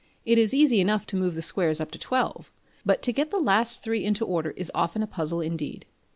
It is easy enough to move the squares up to 12; but to get the last three into order is often a puzzle indeed.